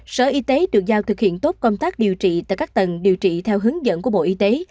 sở y tế được giao thực hiện tốt công tác điều trị tại các tầng điều trị theo hướng dẫn của bộ y tế